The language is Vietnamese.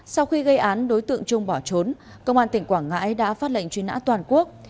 sau khi gây án đối tượng trung bỏ trốn công an tỉnh quảng ngãi đã phát lệnh truy nã toàn quốc